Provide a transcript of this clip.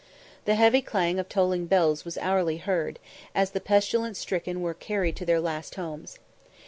The heavy clang of tolling bells was hourly heard, as the pestilence stricken were carried to their last homes.